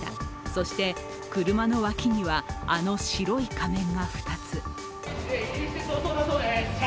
そして車の脇には、あの白い仮面が２つ。